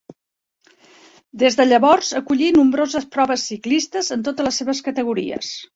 Des de llavors acollí nombroses proves ciclistes en totes les seves categories.